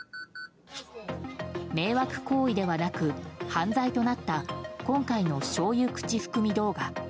迷惑行為ではなく犯罪となった今回のしょうゆ口含み動画。